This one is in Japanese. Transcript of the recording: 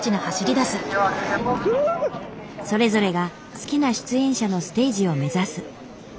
それぞれが好きな出演者のステージを目指す。